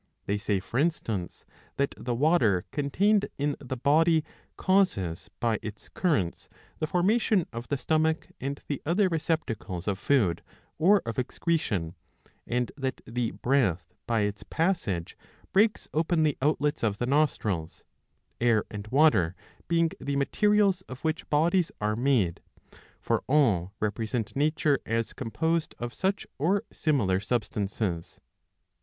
They say, for instance, that the water contained in the body causes by its currents '^ the formation of the stomach and the other receptacles of food or of excretion ; and that the breath by its passage breaks open the outlets of the nostrils ; air and water being the materials of which bodies are made ; for all represent nature as composed of such or similar substances.